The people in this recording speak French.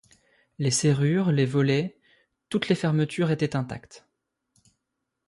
Les serrures, les volets, toutes les fermetures étaient intactes.